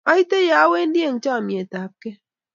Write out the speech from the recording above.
Aite ye awendi eng' chamet ap kei.